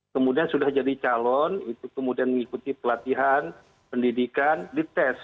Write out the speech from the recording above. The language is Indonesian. kemudian sudah jadi calon itu kemudian mengikuti pelatihan pendidikan dites